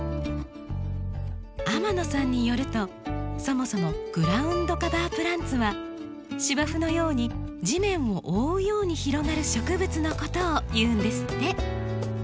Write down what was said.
天野さんによるとそもそもグラウンドカバープランツは芝生のように地面を覆うように広がる植物のことをいうんですって。